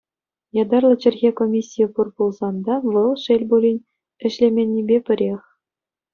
Ятарлӑ чӗлхе комиссийӗ пур пулсан та, вӑл, шел пулин, ӗҫлеменнипе пӗрех.